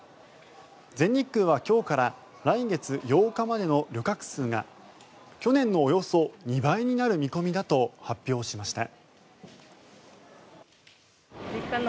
全日空は今日から来月８日までの旅客数が去年のおよそ２倍になる見込みだと発表しました。